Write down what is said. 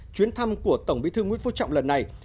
chuyến thăm của tổng bí thư nguyễn phú trọng lần này